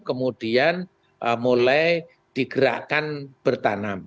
kemudian mulai digerakkan bertanam